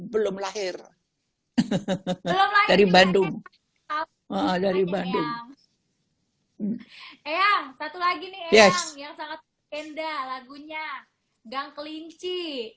belum lahir dari bandung dari bandung yang satu lagi nih yang sangat enda lagunya gang kelinci